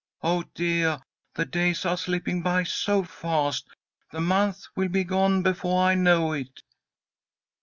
Oh, deah! the days are slipping by so fast. The month will be gone befoah I know it."